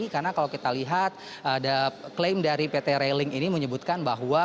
karena kalau kita lihat ada klaim dari pt railing ini menyebutkan bahwa